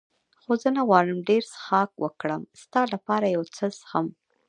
خو زه نه غواړم ډېر څښاک وکړم، ستا لپاره یو څه څښم.